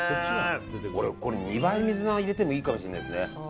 俺、これ２倍水菜入れてもいいかもしれないですね。